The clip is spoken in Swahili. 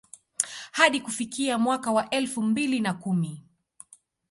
Hadi kufikia mwaka wa elfu mbili na kumi